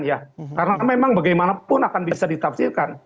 membutuhkan kepekaan ya karena memang bagaimanapun akan bisa ditafsirkan